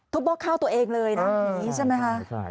ทุบบอกข้าวตัวเองเลยนะอย่างนี้ใช่ไหมครับ